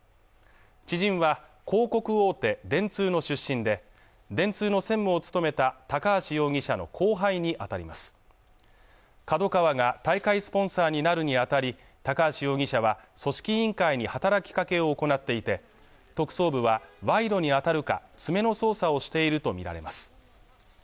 知人は広告大手・電通の出身で電通の専務を務めた高橋容疑者の後輩にあたりますＫＡＤＯＫＡＷＡが大会スポンサーになるにあたり高橋容疑者は組織委員会に働きかけを行っていて特捜部は賄賂に当たるか詰めの捜査をしていると見られます